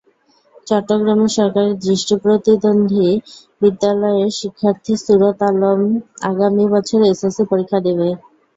চট্টগ্রামের সরকারি দৃষ্টিপ্রতিবন্ধী বিদ্যালয়ের শিক্ষার্থী সুরত আলম আগামী বছর এসএসসি পরীক্ষা দেবে।